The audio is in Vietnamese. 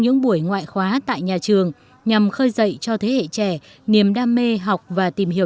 những buổi ngoại khóa tại nhà trường nhằm khơi dậy cho thế hệ trẻ niềm đam mê học và tìm hiểu